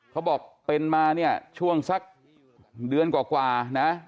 เขาบอกเป็นมาเนี่ยช่วงสักเดือนกว่านะ